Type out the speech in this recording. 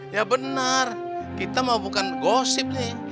ya benar kita mau bukan gosip nih